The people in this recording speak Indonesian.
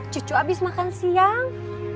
cucu abis makan siang